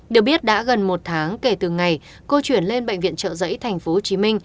được biết đã gần một tháng kể từ ngày cô chuyển lên bệnh viện trợ giấy tp hcm